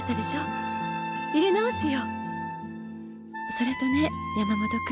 それとね山本君。